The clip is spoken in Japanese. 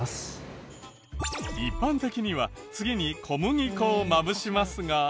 一般的には次に小麦粉をまぶしますが。